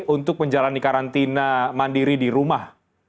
untuk menjalani karantina mandiri di rumah